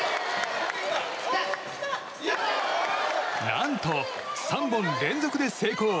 何と、３本連続で成功！